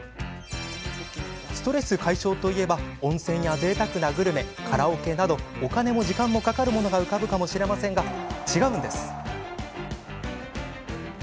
ストレス解消といえば温泉やぜいたくなグルメ、カラオケなどお金も時間もかかるものが浮かぶかもしれませんが違うんです。